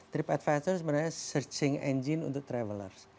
trip advisor sebenarnya searching engine untuk traveler